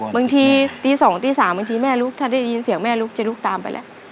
บางทีตี๒ตี๓บางทีแม่ลุกถ้าได้ยินเสียงแม่ลุกจะลุกตามไปแล้ว